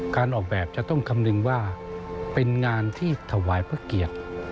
การออกแบบจะต้องคำนึงว่าเป็นงานที่ถวายพระเกียรติ